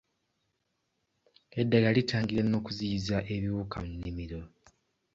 Eddagala litangira n'okuziyiza ebiwuka mu nnimiro.